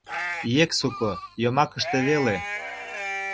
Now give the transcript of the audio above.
ЕКСУКО — ЙОМАКЫШТЕ ВЕЛЕ